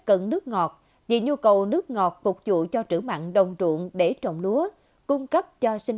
cần nước ngọt vì nhu cầu nước ngọt phục vụ cho trữ mặn đồng ruộng để trồng lúa cung cấp cho sinh